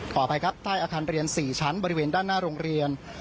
ขออภัยครับใต้อาคารเรียน๔ชั้นบริเวณด้านหน้าโรงเรียน